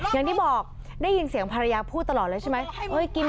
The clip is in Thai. อย่างที่บอกได้ยินเสียงภรรยาพูดตลอดเลยใช่ไหม